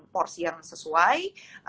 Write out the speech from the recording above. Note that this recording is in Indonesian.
porsi yang sesuai